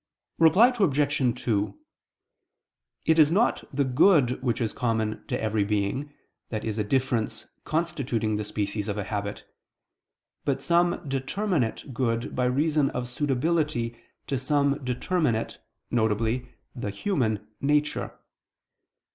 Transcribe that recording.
Reply Obj. 2: It is not the good which is common to every being, that is a difference constituting the species of a habit; but some determinate good by reason of suitability to some determinate, viz. the human, nature.